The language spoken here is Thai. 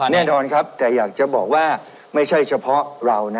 แน่นอนครับแต่อยากจะบอกว่าไม่ใช่เฉพาะเรานะ